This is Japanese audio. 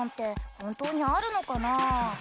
本当にあるのかな？